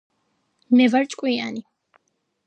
მე ვარ ჭკვიანი